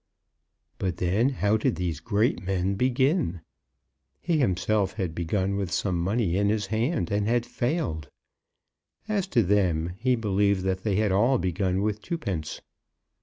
But then how did these great men begin? He himself had begun with some money in his hand, and had failed. As to them, he believed that they had all begun with twopence.